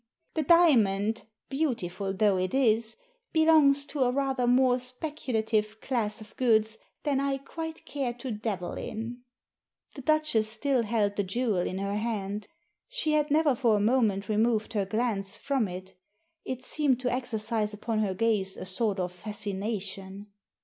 The diamond, beautiful though it is, belongs to a rather more speculative class of goods than I quite care to dabble in." The Duchess still held the jewel in her hand. She had never for a moment removed her glance from it It seemed to exercise upon her gaze a sort of fascination.